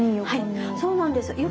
はいそうなんです。